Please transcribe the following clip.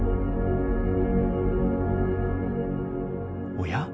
おや？